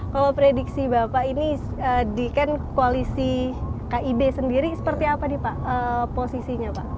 kalau prediksi bapak ini di kan koalisi kib sendiri seperti apa nih pak posisinya pak